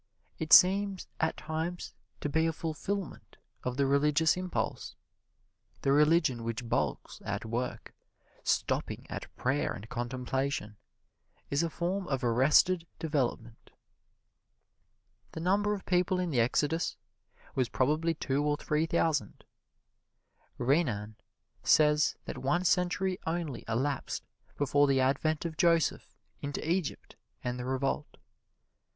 It seems at times to be a fulfilment of the religious impulse. The religion which balks at work, stopping at prayer and contemplation, is a form of arrested development. The number of people in the exodus was probably two or three thousand. Renan says that one century only elapsed between the advent of Joseph into Egypt and the revolt.